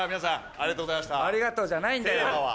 ありがとうじゃないんだよ。